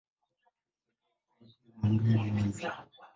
Wenzake walikuwa watu wa ndoa wenyeji.